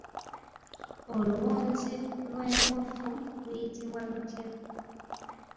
Oluwonzi lw'enkofu luyitibwa lutya?